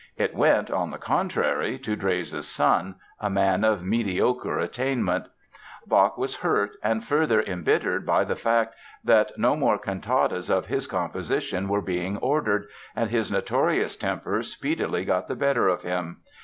It went, on the contrary, to Drese's son, a man of mediocre attainments. Bach was hurt and further embittered by the fact that no more cantatas of his composition were being ordered, and his notorious temper speedily got the better of him.